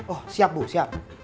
oh siap bu siap